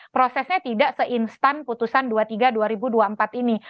prosesnya tidak se instan putusan dua puluh tiga dua ribu dua puluh empat ini